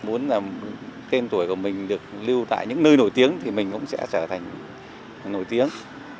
muốn là tên tuổi của mình được lưu tại những nơi nổi tiếng thì mình cũng sẽ trở thành nổi tiếng